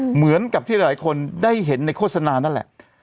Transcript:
เหมือนกับที่หลายคนได้เห็นในโฆษณานั่นแหละ